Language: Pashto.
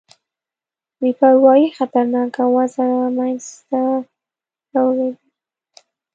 بې پروايي خطرناکه وضع منځته راوړې ده.